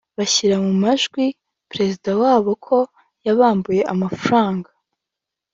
bashyira mu majwi Perezida wayo ko yabambuye amafaranga